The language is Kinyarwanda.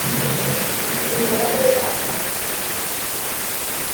uyobora neza atanga ijambo,